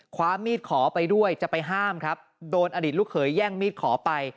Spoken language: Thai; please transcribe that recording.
ความมีดขอไปด้วยจะไปห้ามครับโดนอดีตลูกเขยแย่งมีดขอไป